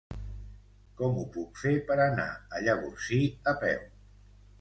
Com ho puc fer per anar a Llavorsí a peu?